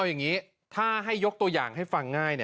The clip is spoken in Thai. อย่างนี้ถ้าให้ยกตัวอย่างให้ฟังง่าย